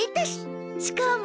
しかも。